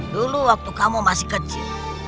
dulu waktu kamu masih kecil